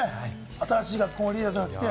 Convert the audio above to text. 新しい学校のリーダーズが来て。